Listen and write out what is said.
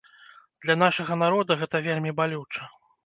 Для нашага народа гэта вельмі балюча.